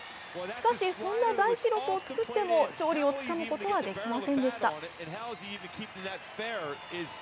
しかし、そんな大記録を作っても勝利をつかむことはできませんでした。